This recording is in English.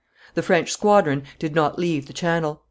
The French squadron did not leave the Channel.